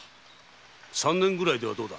三年ぐらいでどうだ？